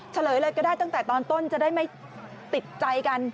เฉลยเลยก็ได้ตั้งแต่ตอนต้นจะได้ไม่ติดใจกัน